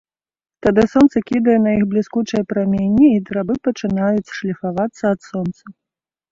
Тады сонца кідае на іх бліскучыя праменні, і драбы пачынаюць шліфавацца ад сонца.